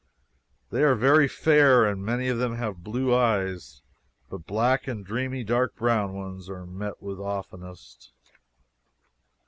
They are very fair, and many of them have blue eyes, but black and dreamy dark brown ones are met with oftenest.